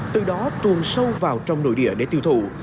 từ đó tuồn sâu vào trong nội địa để tiêu thụ